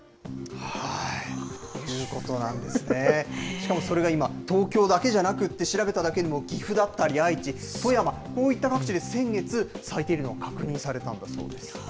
しかもそれが今、東京だけじゃなくて、調べただけでも岐阜だったり愛知、富山、こういった各地で先月、咲いているのを確認されたんだそうです。